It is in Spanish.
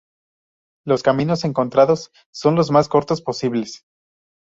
Los caminos encontrados son lo más cortos posibles.